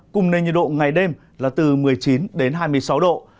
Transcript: cùng nền nhiệt độ ngày đêm là từ một mươi chín đến hai mươi sáu độ